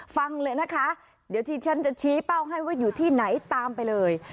ฟังเลยนะคะเดี๋ยวที่ฉันจะชี้เป้าให้ว่าอยู่ที่ไหนตามไปเลย